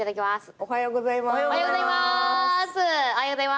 おはようございまーす。